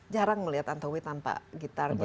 jarang melihat tantowi tanpa gitarnya